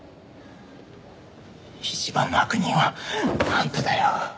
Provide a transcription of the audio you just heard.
一番の悪人はあんただよ。